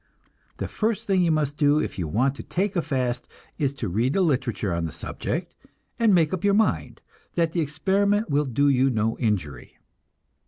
The first thing you must do if you want to take a fast is to read the literature on the subject and make up your mind that the experiment will do you no injury.